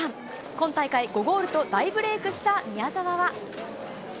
今大会５ゴールと大ブレークした宮澤は。